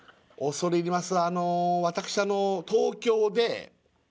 恐れ入ります